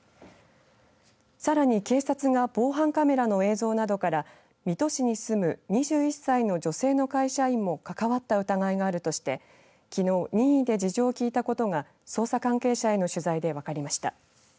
さらに警察が防犯カメラの映像などから水戸市に住む２１歳の女性の会社員も関わった疑いがあるとしてきのう、任意で事情を聴いたことが捜査関係者への取材で分かりました。